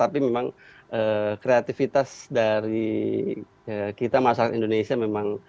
tapi memang kreativitas dari kita masyarakat indonesia memang sudah teruji